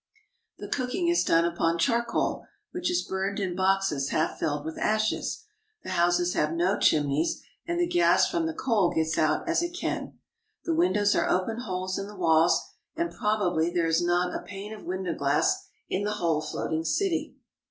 The cooking is done upon charcoal, which is burned in boxes half filled with ashes. The houses have no chimneys, and the gas from the coal gets out as it can. The windows are open holes in the walls, and probably there is not a pane of window glass in the whole floating city.